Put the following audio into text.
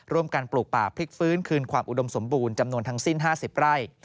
การปลูกป่าพลิกฟื้นคืนความอุดมสมบูรณ์จำนวนทั้งสิ้น๕๐ไร่